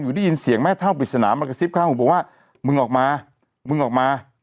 โทฬเรียนเสียงแม่เถาปฏิสนามมากระซิบใคร้หูบอกว่ามึงออกมามึงออกมา